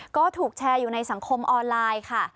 ก็ถูกแชร์อยู่ในสังคมออนไลน์ค่ะ